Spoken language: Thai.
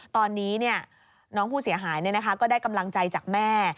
ตอนนี้น้องผู้เสียหายก็ได้กำลังใจจากแม่